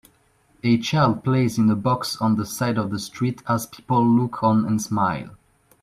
A child plays in a box on the side of the street as people look on and smile